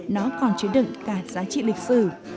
nó còn chứa đựng cả giá trị lịch sử